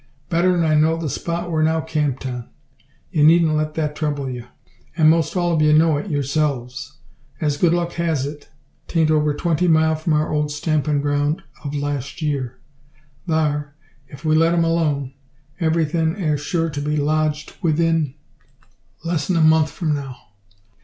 "Better'n I know the spot we're now camped on. Ye needn't let that trouble ye. An' most all o' ye know it yourselves. As good luck has it, 'taint over twenty mile from our old stampin' groun' o' last year. Thar, if we let em' alone, everythin' air sure to be lodged 'ithin less'n a month from now.